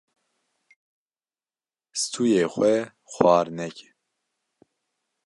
Stûyê xwe xwar neke.